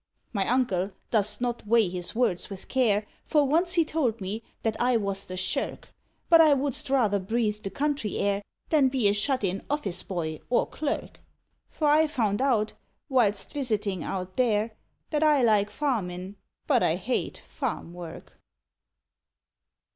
My uncle dost not weigh his words with care, For once he told me that I wast a shirk; But I wouldst rather breathe the country air Than be a shut in office boy or clerk; For I found out whilst visitin out there That I like farmin , but I hate farm work.